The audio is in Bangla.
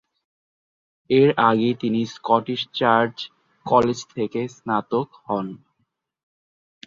এর আগে তিনি স্কটিশ চার্চ কলেজ থেকে স্নাতক হন।